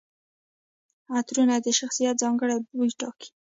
عطرونه د شخصیت ځانګړي بوی ټاکي.